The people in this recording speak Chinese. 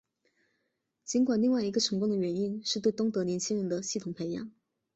尽管另外一个成功的原因是对东德年轻人的系统培养。